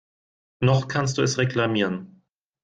Noch kannst du es reklamieren.